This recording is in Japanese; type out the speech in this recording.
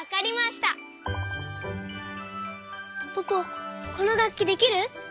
ポポこのがっきできる？